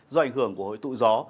do ảnh hưởng của hội tụ gió